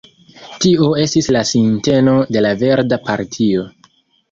Tio estis la sinteno de la Verda Partio.